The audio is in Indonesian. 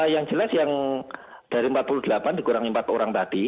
yang jelas yang dari empat puluh delapan dikurangi empat orang tadi